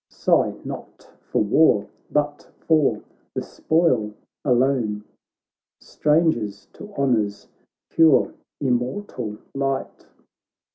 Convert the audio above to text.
Sigh not for war, but for the spoil alone. Strangers to honour's pure immortal light.